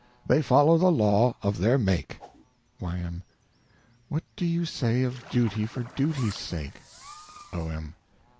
They follow the law of their make. Y.M. What do you say of duty for duty's sake? O.M.